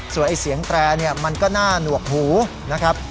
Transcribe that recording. ส่วนไอ้เสียงแตรเนี่ยมันก็หน้าหนวกหูนะครับ